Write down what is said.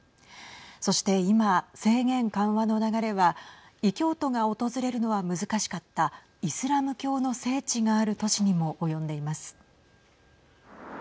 そして今制限緩和の流れは異教徒が訪れるのは難しかったイスラム教の聖地がある都市にも及んでいます。